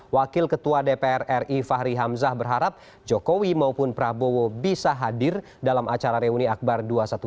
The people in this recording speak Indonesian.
wakil ketua dpr ri fahri hamzah berharap jokowi maupun prabowo bisa hadir dalam acara reuni akbar dua ratus dua belas